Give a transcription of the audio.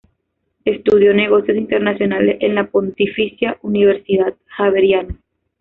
Estudio negocios internacionales en la Pontificia Universidad Javeriana.